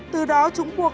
từ đó chúng buộc